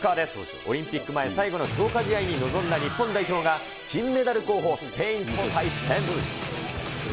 オリンピック前最後の強化試合に臨んだ日本代表が、金メダル候補、スペインと対戦。